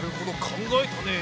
考えたね。